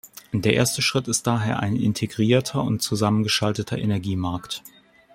Der erste Schritt ist daher ein integrierter und zusammengeschalteter Energiemarkt.